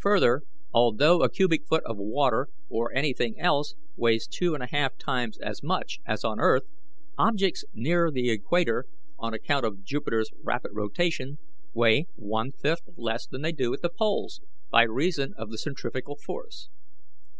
Further, although a cubic foot of water or anything else weighs 2.5 as much as on earth, objects near the equator, on account of Jupiter's rapid rotation, weigh one fifth less than they do at the poles, by reason of the centrifugal force.